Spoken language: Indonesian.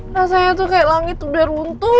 rasanya tuh kayak langit udah runtuh